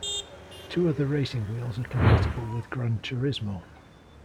Two other racing wheels are compatible with Gran Turismo.